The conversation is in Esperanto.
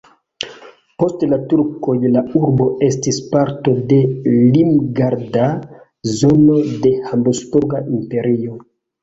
Post la turkoj la urbo estis parto de limgarda zono de Habsburga Imperio.